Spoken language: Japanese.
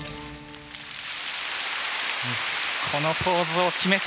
このポーズを決めて。